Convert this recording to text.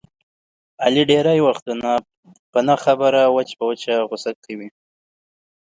علي ډېری وختونه په نه خبره وچ په وچه غوسه کوي.